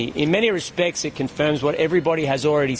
dalam banyak perspektif ini mengakui apa yang sudah dikira